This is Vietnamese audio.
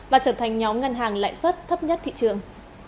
và trở thành nhóm ngân hàng lãi suất thấp nhất thị trường